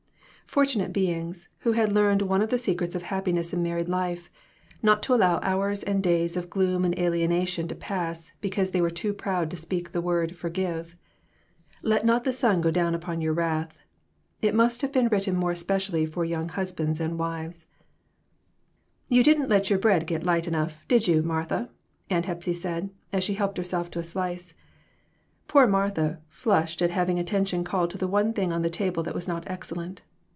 Fortunate beings, who had learned one of the secrets of happiness in married life not to allow hours and days of gloom and alienation to pass because they were too proud to speak the word "forgive." "Let not the sun go down upon your wrath." It must have been written more especially for young husbands and wives. "You didn't let your bread get light enough, did you, Martha?" Aunt Hepsy said, as she helped herself to a slice. Poor Martha flushed at having attention called to the one thing on the table that was not excel lent.